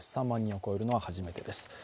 ３万人を超えるのは初めてです。